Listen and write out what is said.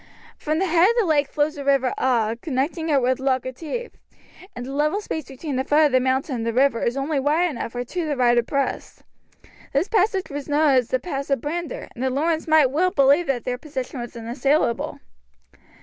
From the head of the lake flows the river Awe connecting it with Loch Etive, and the level space between the foot of the mountain and the river is only wide enough for two to ride abreast. This passage was known as the Pass of Brander, and the Lornes might well believe that their position was unassailable.